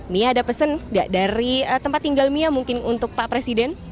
mia ada pesan gak dari tempat tinggal mia mungkin untuk pak presiden